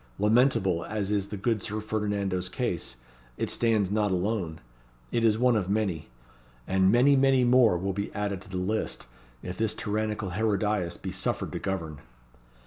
Lamentable as is the good Sir Ferdinando's case, it stands not alone. It is one of many. And many, many more will be added to the list, if this tyrannical Herodias be suffered to govern."